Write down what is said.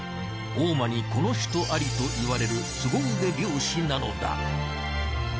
大間にこの人ありといわれる凄腕漁師なのだ。